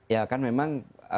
ya kan memang